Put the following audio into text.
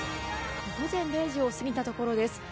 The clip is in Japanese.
午前０時を過ぎたところです。